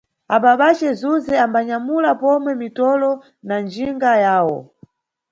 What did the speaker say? Ababace Zuze ambanyamula pomwe mitolo na njinga yawo.